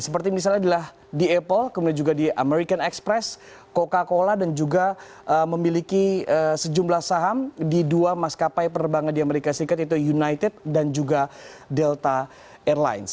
seperti misalnya adalah di apple kemudian juga di american express coca cola dan juga memiliki sejumlah saham di dua maskapai penerbangan di amerika serikat yaitu united dan juga delta airlines